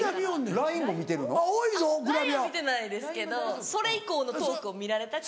ＬＩＮＥは見てないですけどそれ以降のトークを見られたくないから。